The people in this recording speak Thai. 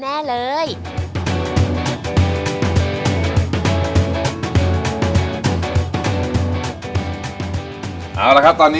จัดมาทั้งเส้นขนมจีนน้ำยาและผักเคียงขนาดนี้